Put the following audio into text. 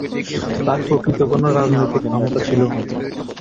তার প্রকৃত কোনো রাজনৈতিক ক্ষমতা ছিল না।